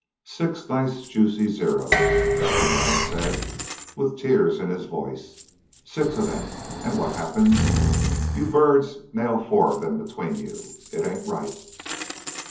"Six nice juicy Zeros!" Captain Banks said with tears in his voice. "Six of them! And what happens? You birds nail four of them between you. It ain't right.